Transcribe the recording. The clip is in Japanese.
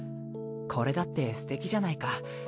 これだってすてきじゃないか。